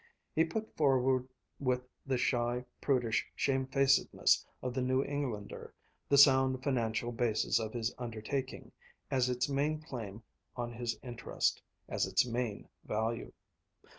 He put forward with the shy, prudish shamefacedness of the New Englander the sound financial basis of his undertaking, as its main claim on his interest, as its main value.